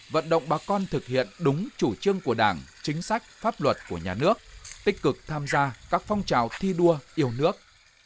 vận động bà con thực hiện đúng chủ trương của đảng chính sách pháp luật của nhà nước tích cực tham gia các phong trào thi đua yêu nước